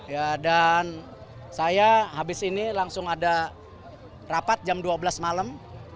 ya dan saya habis ini langsung ada rapat jam dua belas malam